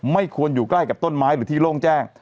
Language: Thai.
ไม่ควรอยู่ใกล้กับต้นไม้หรือที่โล่งแจ้ง